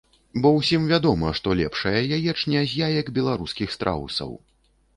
Бо ўсім вядома, што лепшая яечня з яек беларускіх страусаў.